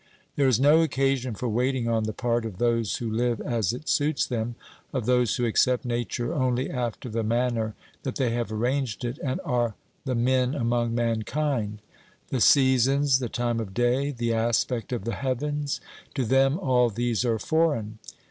There is no occasion for wailing on the part of those who live as it suits them, of those who accept Nature only after the manner that they have arranged it, and are the men among mankind. The seasons, the time of day, the aspect of the heavens, to them all these are foreign.